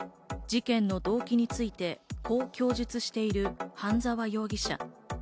事件の動機について、こう供述している半沢容疑者。